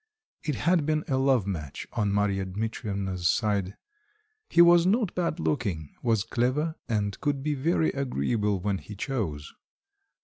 It had been a love match on Marya Dmitrievna's side. He was not bad looking, was clever and could be very agreeable when he chose.